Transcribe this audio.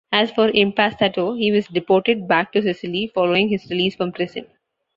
As for Impastato, he was deported back to Sicily following his release from prison.